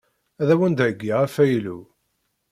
Ad awen-d-heyyiɣ afaylu.